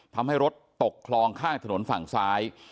ทำให้รถตกคลองข้างถนนฝั่งซ้าย